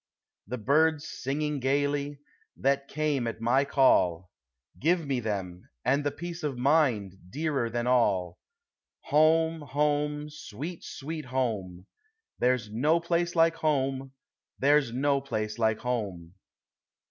The birds singing gayly, that came at my call, — (iive me them,— and the peace of mind, dearer than all! ITome, Home, sweet, sweet Home! There *s no place like Home! there 's no place like Home